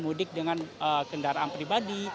pemudik dengan kendaraan pribadi